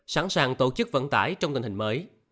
sẵn sàng tổ chức vận tải trong tình hình mới